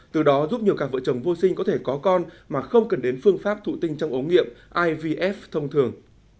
từ đó giúp nhiều cặp vợ chồng vô sinh có thể có con mà không cần đến phương pháp thụ tinh trong ống nghiệm ivf thông thường